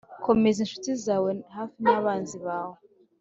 komeza inshuti zawe hafi n'abanzi bawe